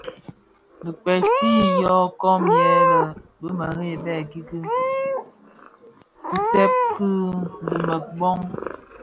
Dhi kpeksi yô kom lè bi mereb bè kiki kiseb dhi mëbom.